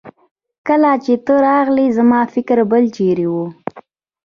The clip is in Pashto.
کله چې ته راغلې زما فکر بل چيرې وه.